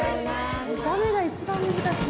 見た目が一番難しい。